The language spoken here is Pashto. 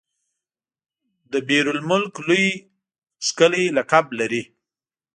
دبیر المک لوی کښلی لقب لري.